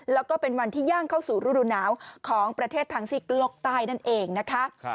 แล้วก็เป็นวันที่ย่างเข้าสู่ฤดูหนาวของประเทศทางซีกโลกใต้นั่นเองนะคะ